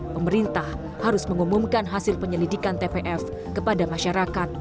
pemerintah harus mengumumkan hasil penyelidikan tpf kepada masyarakat